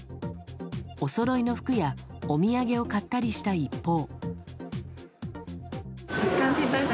おそろいの服やお土産を買ったりした一方。